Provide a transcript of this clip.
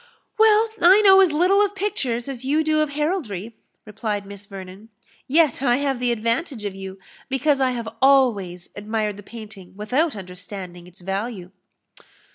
"Well, I know as little of pictures as you do of heraldry," replied Miss Vernon; "yet I have the advantage of you, because I have always admired the painting without understanding its value."